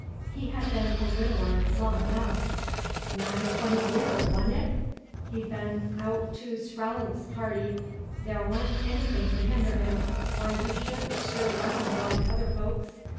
He had been a widower long enough, " nigh twenty year, wa'n't it? He'd been aout to Spraowles's party, there wa'n't anything to hender him why he shouldn't stir raound l'k other folks.